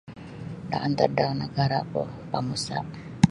Antad da nagaraku bangsa.